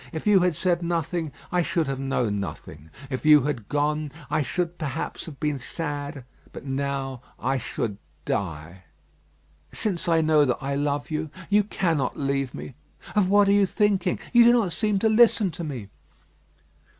If you had said nothing, I should have known nothing. If you had gone, I should, perhaps, have been sad, but now I should die. Since I know that I love you, you cannot leave me. Of what are you thinking? You do not seem to listen to me."